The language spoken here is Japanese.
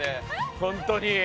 本当に。